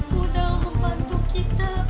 mudah membantu kita